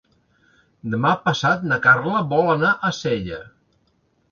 Demà passat na Carla vol anar a Sella.